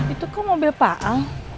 itu kok mobil pak a